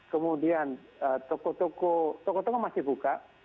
kemudian toko toko masih buka